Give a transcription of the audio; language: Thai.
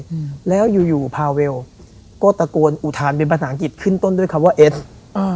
อืมแล้วอยู่อยู่พาเวลก็ตะโกนอุทานเป็นภาษาอังกฤษขึ้นต้นด้วยคำว่าเอสอ่า